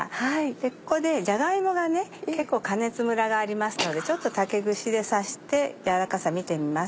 ここでじゃが芋が結構加熱ムラがありますのでちょっと竹串で刺して軟らかさ見てみます。